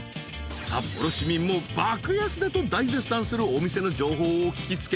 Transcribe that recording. ［札幌市民も爆安だと大絶賛するお店の情報を聞き付け］